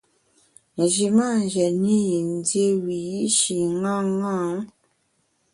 Nji mâ njètne i yin dié wiyi’shi ṅaṅâ.